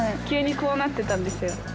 急にこうなってたんですよ。